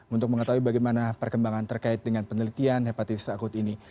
untuk mengetahui bagaimana perkembangan terkait dengan penelitian hepatitis akut ini